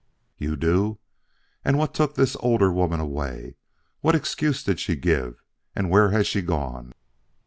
"You do. And what took the older woman away? What excuse did she give, and where has she gone?"